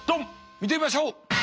見てみましょう。